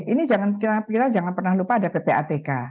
ini jangan kira kira jangan pernah lupa ada ppatk